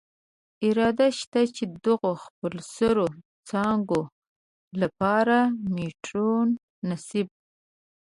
اراده شته، چې دغو خپلسرو څاګانو له پاره میټرونه نصب.